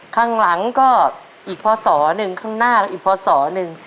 ข้างหลังก็อีกพศหนึ่งข้างหน้าก็อีกพศหนึ่ง